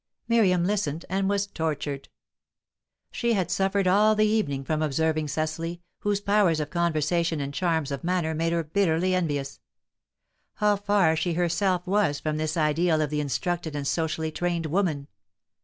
Miriam listened, and was tortured. She had suffered all the evening from observing Cecily, whose powers of conversation and charms of manner made her bitterly envious. How far she herself was from this ideal of the instructed and socially trained woman!